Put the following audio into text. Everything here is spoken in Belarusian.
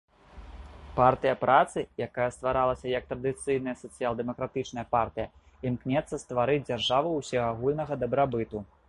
Партыя працы, якая стваралася як традыцыйная сацыял-дэмакратычная партыя, імкнецца стварыць дзяржаву ўсеагульнага дабрабыту.